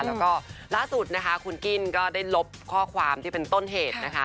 แล้วก็ล่าสุดนะคะคุณกิ้นก็ได้ลบข้อความที่เป็นต้นเหตุนะคะ